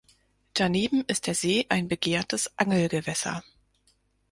Daneben ist der See ein begehrtes Angelgewässer.